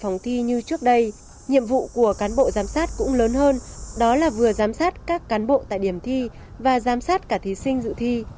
trong thi như trước đây nhiệm vụ của cán bộ giám sát cũng lớn hơn đó là vừa giám sát các cán bộ tại điểm thi và giám sát cả thí sinh dự thi